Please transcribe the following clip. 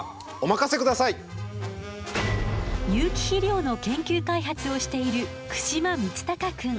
有機肥料の研究開発をしている串間充崇くん。